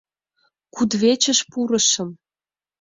Кудывечыш пурышым.